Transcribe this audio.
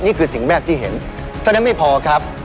นี่คือสิ่งแรกที่เห็นถ้าไม่พอครับ